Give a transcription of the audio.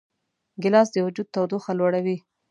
ګیلاس د وجود تودوخه لوړوي.